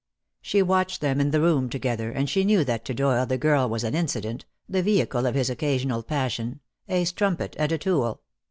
She watched them in the room together, and she knew that to Doyle the girl was an incident, the vehicle of his occasional passion, a strumpet and a tool.